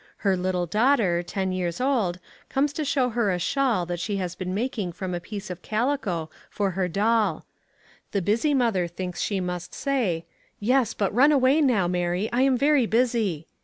Her little daughter, ten years old, comes to show her a shawl she has been making from a piece of calico for her doll. The busy mother thinks she must say, "Yes; but run away now, Mary; I am very busy!"